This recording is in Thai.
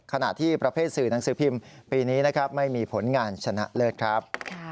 ขณะที่ประเภทสื่อหนังสือพิมพ์ปีนี้นะครับไม่มีผลงานชนะเลิศครับ